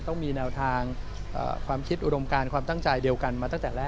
ต้องมีแนวทางความคิดอุดมการความตั้งใจเดียวกันมาตั้งแต่แรก